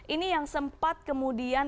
ini yang sempat kemudian